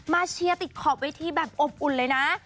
เชียร์ติดขอบเวทีแบบอบอุ่นเลยนะ